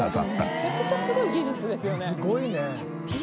めちゃくちゃすごい技術ですよね。